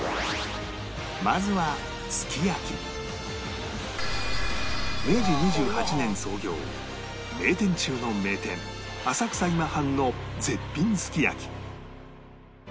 まずは明治２８年創業名店中の名店浅草今半の絶品すき焼き